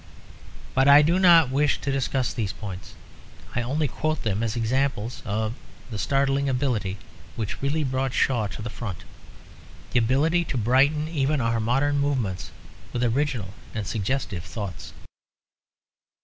But I do not wish to discuss these points; I only quote them as examples of the startling ability which really brought Shaw to the front; the ability to brighten even our modern movements with original and suggestive thoughts.